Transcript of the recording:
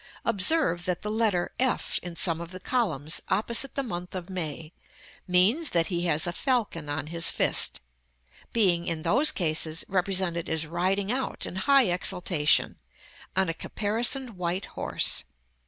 Observe that the letter (f.) in some of the columns, opposite the month of May, means that he has a falcon on his fist; being, in those cases, represented as riding out, in high exultation, on a caparisoned white horse.